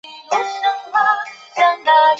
随后任命陈先为国家统计局局长。